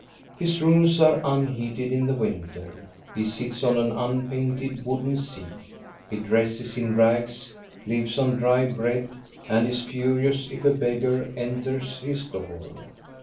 His rooms are unheated in the winter, he sits on an unpainted wooden seat, he dresses in rags, lives on dry bread, and is furious if a beggar enters his door.